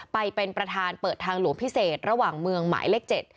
ไปเป็นประธานเปิดทางหลวงพิเศษระหว่างเมืองหมายเลข๗